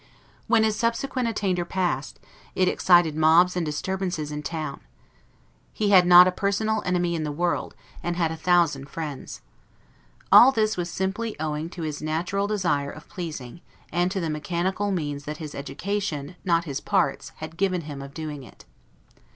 When his subsequent attainder passed, it excited mobs and disturbances in town. He had not a personal enemy in the world; and had a thousand friends. All this was simply owing to his natural desire of pleasing, and to the mechanical means that his education, not his parts, had given him of doing it.